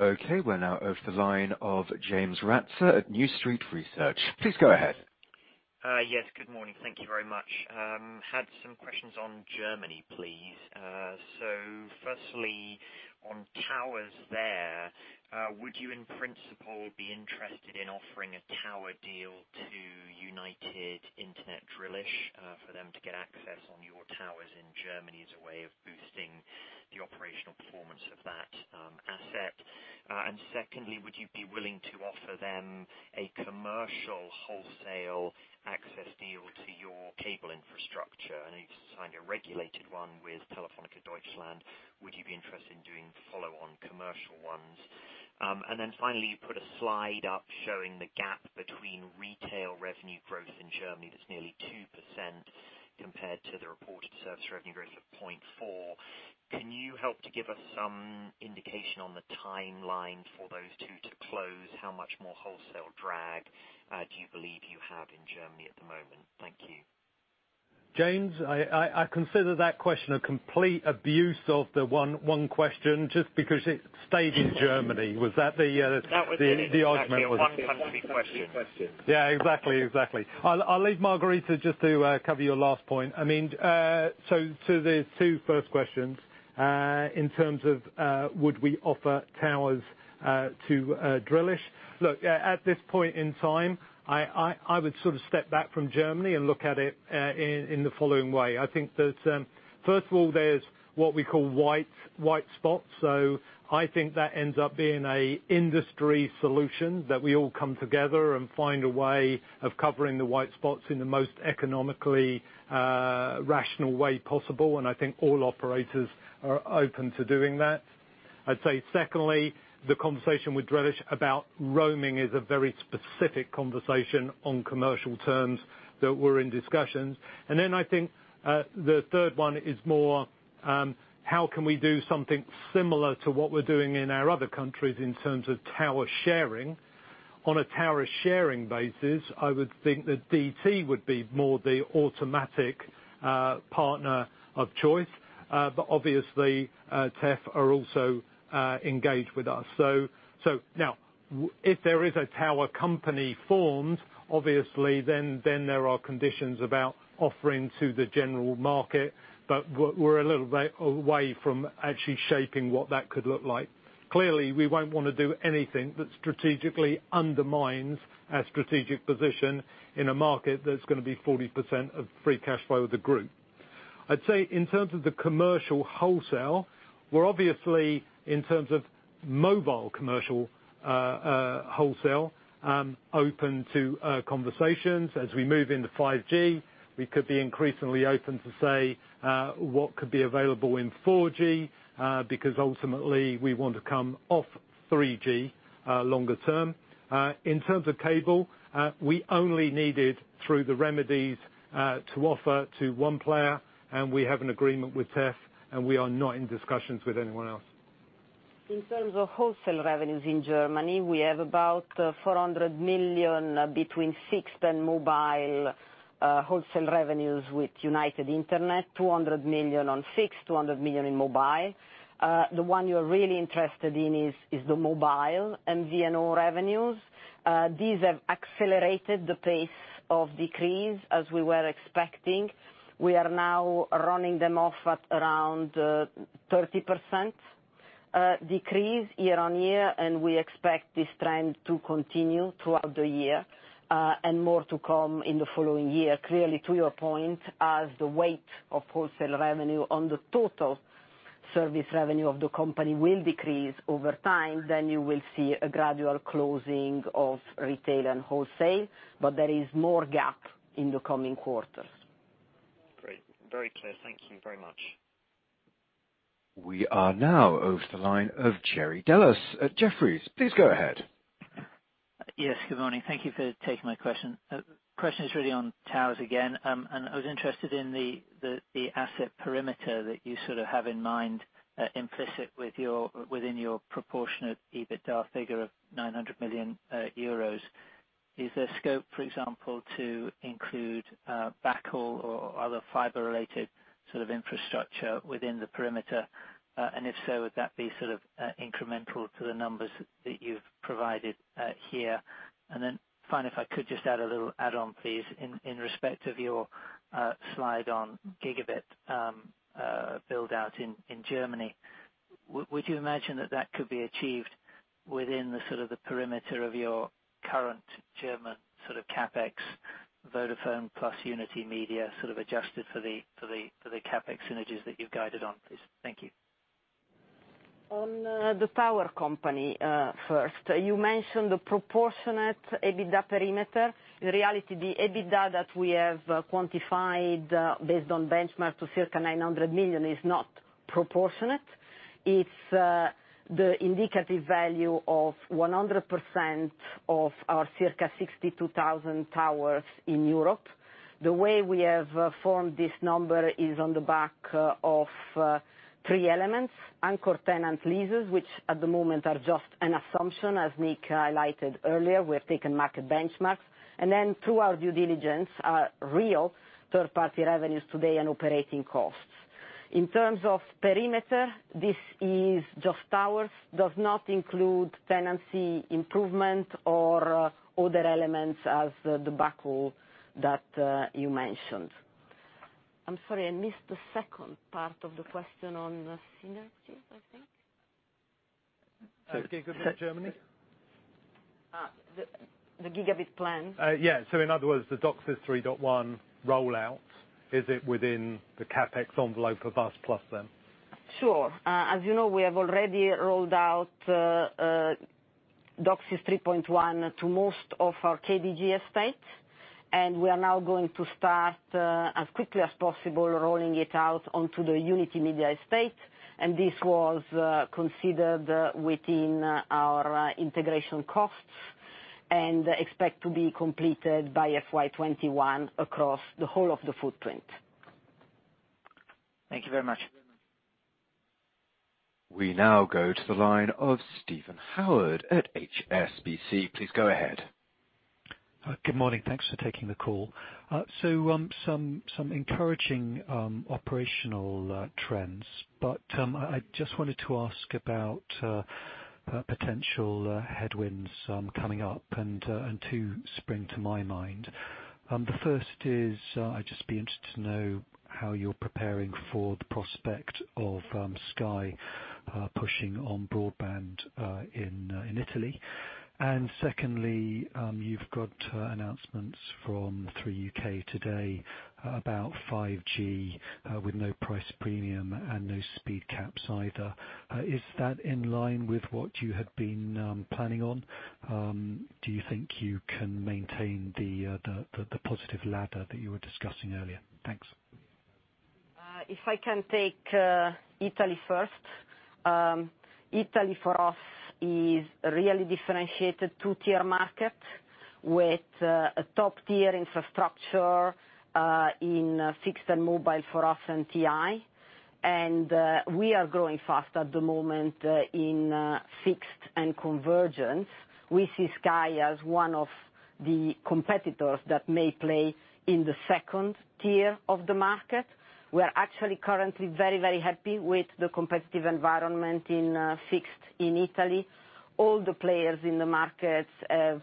Okay, we're now off the line of James Ratzer at New Street Research. Please go ahead. Yes, good morning. Thank you very much. Had some questions on Germany, please. On towers there, would you in principle be interested in offering a tower deal to United Internet Drillisch, for them to get access on your towers in Germany as a way of boosting the operational performance of that asset? Secondly, would you be willing to offer them a commercial wholesale access deal to your cable infrastructure? I know you just signed a regulated one with Telefónica Deutschland. Would you be interested in doing follow-on commercial ones? Finally, you put a slide up showing the gap between retail revenue growth in Germany that's nearly 2% compared to the reported service revenue growth of 0.4%. Can you help to give us some indication on the timeline for those two to close? How much more wholesale drag do you believe you have in Germany at the moment? Thank you. James, I consider that question a complete abuse of the one question, just because it stayed in Germany. Was that the argument? That was it. It was actually a one-country question. Yeah, exactly. I'll leave Margherita just to cover your last point. The two 1st questions, in terms of would we offer towers to Drillisch. Look, at this point in time, I would step back from Germany and look at it in the following way. I think that first of all, there's what we call white spots. I think that ends up being a industry solution that we all come together and find a way of covering the white spots in the most economically rational way possible. I think all operators are open to doing that. I'd say secondly, the conversation with Drillisch about roaming is a very specific conversation on commercial terms that we're in discussions. I think the 3rd one is more how can we do something similar to what we're doing in our other countries in terms of tower sharing. On a tower sharing basis, I would think that DT would be more the automatic partner of choice. Obviously, Telefónica are also engaged with us. If there is a TowerCo formed, obviously, then there are conditions about offering to the general market. We're a little way from actually shaping what that could look like. Clearly, we won't want to do anything that strategically undermines our strategic position in a market that's going to be 40% of free cash flow with the group. I'd say in terms of the commercial wholesale, we're obviously, in terms of mobile commercial wholesale, open to conversations. As we move into 5G, we could be increasingly open to say, what could be available in 4G, because ultimately we want to come off 3G longer term. In terms of cable, we only needed, through the remedies, to offer to one player, and we have an agreement with Telefónica, and we are not in discussions with anyone else. In terms of wholesale revenues in Germany, we have about 400 million between fixed and mobile wholesale revenues with United Internet, 200 million on fixed, 200 million in mobile. The one you're really interested in is the mobile MVNO revenues. These have accelerated the pace of decrease as we were expecting. We are now running them off at around 30% decrease year-on-year. We expect this trend to continue throughout the year. More to come in the following year. Clearly, to your point, as the weight of wholesale revenue on the total service revenue of the company will decrease over time, you will see a gradual closing of retail and wholesale. There is more gap in the coming quarters. Great. Very clear. Thank you very much. We are now over the line of Jerry Dellis at Jefferies. Please go ahead. Yes, good morning. Thank you for taking my question. Question is really on towers again. I was interested in the asset perimeter that you sort of have in mind, implicit within your proportionate EBITDA figure of 900 million euros. Is there scope, for example, to include backhaul or other fiber-related sort of infrastructure within the perimeter? If so, would that be sort of incremental to the numbers that you've provided here? Finally, if I could just add a little add-on, please, in respect of your slide on gigabit build-out in Germany. Would you imagine that that could be achieved within the perimeter of your current German CapEx, Vodafone plus Unitymedia sort of adjusted for the CapEx synergies that you've guided on, please? Thank you. On the TowerCo first, you mentioned the proportionate EBITDA perimeter. In reality, the EBITDA that we have quantified based on benchmark to circa 900 million is not proportionate. It's the indicative value of 100% of our circa 62,000 towers in Europe. The way we have formed this number is on the back of three elements, anchor tenant leases, which at the moment are just an assumption, as Nick highlighted earlier. We have taken market benchmarks, and then through our due diligence, are real third-party revenues today and operating costs. In terms of perimeter, this is just towers, does not include tenancy improvement or other elements as the backhaul that you mentioned. I'm sorry, I missed the 2nd part of the question on the synergies, I think. Gigabit in Germany? The gigabit plan? Yeah. In other words, the DOCSIS 3.1 rollout, is it within the CapEx envelope of us plus them? Sure. As you know, we have already rolled out DOCSIS 3.1 to most of our KDG estate, and we are now going to start, as quickly as possible, rolling it out onto the Unitymedia estate, and this was considered within our integration costs and expect to be completed by FY 2021 across the whole of the footprint. Thank you very much. We now go to the line of Stephen Howard at HSBC. Please go ahead. Good morning. Thanks for taking the call. Some encouraging operational trends. I just wanted to ask about potential headwinds coming up, and two spring to my mind. The 1st is, I'd just be interested to know how you're preparing for the prospect of Sky pushing on broadband in Italy. Secondly, you've got announcements from Three UK today about 5G with no price premium and no speed caps either. Is that in line with what you had been planning on? Do you think you can maintain the positive ladder that you were discussing earlier? Thanks. If I can take Italy first. Italy for us is a really differentiated two-tier market. With a top-tier infrastructure in fixed and mobile for us and TIM. We are growing fast at the moment in fixed and convergence. We see Sky as one of the competitors that may play in the second tier of the market. We're actually currently very happy with the competitive environment in fixed in Italy. All the players in the markets have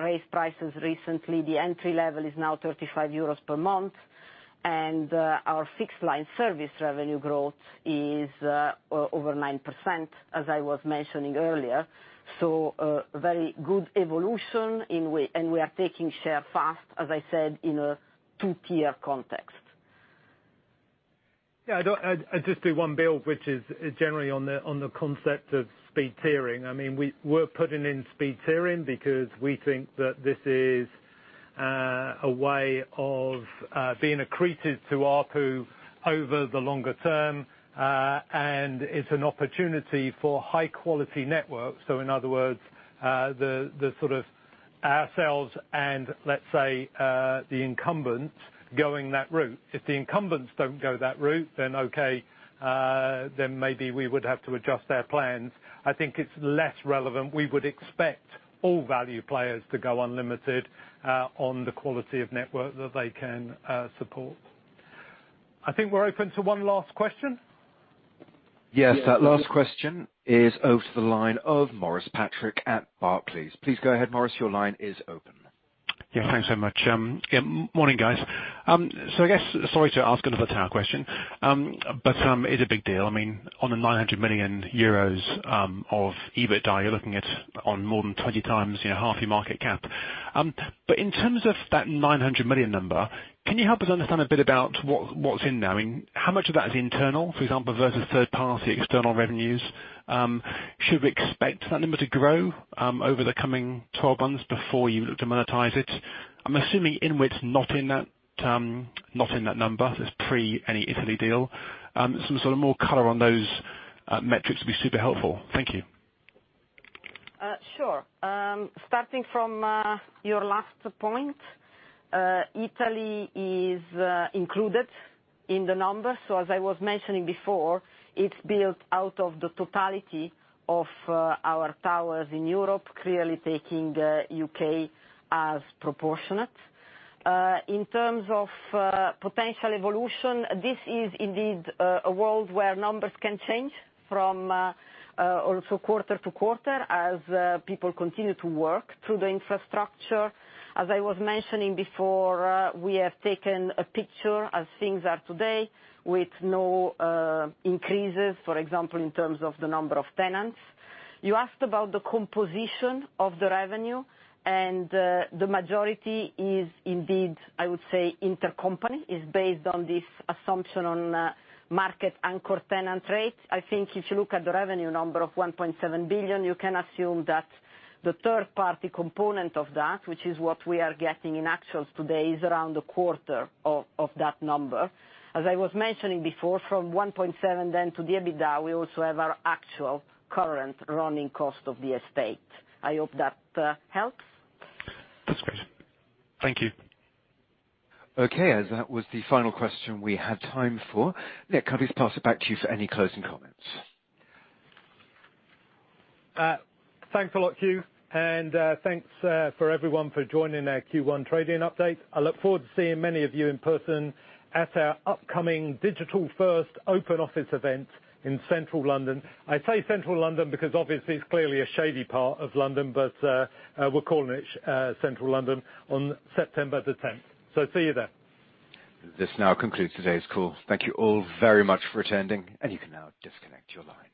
raised prices recently. The entry level is now 35 euros per month. Our fixed-line service revenue growth is over 9%, as I was mentioning earlier. A very good evolution, and we are taking share fast, as I said, in a two-tier context. Yeah. I'd just do one build, which is generally on the concept of speed tiering. We're putting in speed tiering because we think that this is a way of being accretive to ARPU over the longer term. It's an opportunity for high-quality networks, so in other words, ourselves and let's say, the incumbent going that route. If the incumbents don't go that route, then okay, then maybe we would have to adjust their plans. I think it's less relevant. We would expect all value players to go unlimited on the quality of network that they can support. I think we're open to one last question. Yes. Last question is over to the line of Maurice Patrick at Barclays. Please go ahead, Maurice. Your line is open. Thanks so much. Morning, guys. I guess, sorry to ask another tower question. It's a big deal. On a 900 million euros of EBITDA, you're looking at on more than 20x half your market cap. In terms of that 900 million number, can you help us understand a bit about what's in there? How much of that is internal, for example, versus third-party external revenues? Should we expect that number to grow over the coming 12 months before you look to monetize it? I'm assuming INWIT's not in that number. It's pre any Italy deal. Some sort of more color on those metrics would be super helpful. Thank you. Sure. Starting from your last point, Italy is included in the number. As I was mentioning before, it's built out of the totality of our towers in Europe, clearly taking the U.K. as proportionate. In terms of potential evolution, this is indeed a world where numbers can change from also quarter to quarter as people continue to work through the infrastructure. As I was mentioning before, we have taken a picture of things as today with no increases, for example, in terms of the number of tenants. You asked about the composition of the revenue and the majority is indeed, I would say intercompany, is based on this assumption on market anchor tenant rates. I think if you look at the revenue number of 1.7 billion, you can assume that the third-party component of that, which is what we are getting in actuals today, is around a quarter of that number. As I was mentioning before, from 1.7 then to the EBITDA, we also have our actual current running cost of the estate. I hope that helps. That's great. Thank you. Okay. As that was the final question we had time for. Nick, can I please pass it back to you for any closing comments? Thanks a lot, Hugh, and thanks for everyone for joining our Q1 trading update. I look forward to seeing many of you in person at our upcoming digital-first open office event in Central London. I say Central London because obviously it's clearly a shady part of London, but we're calling it Central London on September the 10th. See you there. This now concludes today's call. Thank you all very much for attending. You can now disconnect your lines.